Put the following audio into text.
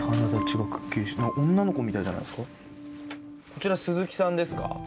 こちら鈴木さんですか？